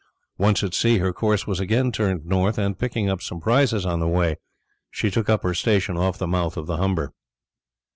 Once at sea her course was again turned north, and picking up some prizes on the way she took up her station off the mouth of the Humber.